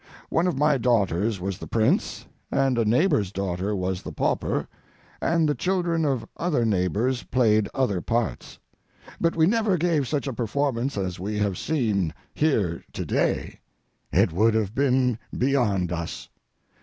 One of my daughters was the Prince, and a neighbor's daughter was the Pauper, and the children of other neighbors played other parts. But we never gave such a performance as we have seen here to day. It would have been beyond us.